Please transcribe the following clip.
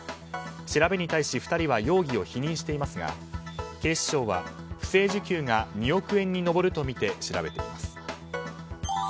調べに対し２人は容疑を否認していますが警視庁は不正受給が２億円に上るとみて調べています。